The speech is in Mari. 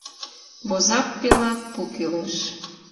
Возак пелак пу кӱлеш.